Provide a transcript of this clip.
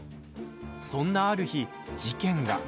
そんな、ある日、事件が。